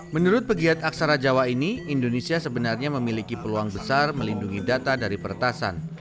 menurut pegiat aksara jawa ini indonesia sebenarnya memiliki peluang besar melindungi data dari peretasan